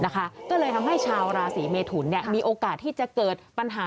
ก็เลยทำให้ชาวราศีเมทุนมีโอกาสที่จะเกิดปัญหา